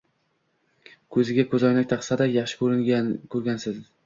Koʻziga koʻzoynak taqsa-da, yaxshi koʻrganmiz.